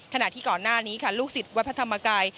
ขณะที่ก่อนหน้านี้ค่ะลูกศิษย์วัดพระธรรมกาย